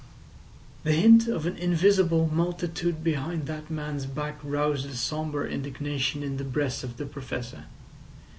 The hint of an invincible multitude behind that man's back roused a sombre indignation in the breast of the Professor.